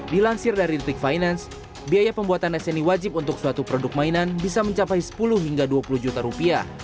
dilansir dari detik finance biaya pembuatan sni wajib untuk suatu produk mainan bisa mencapai sepuluh hingga dua puluh juta rupiah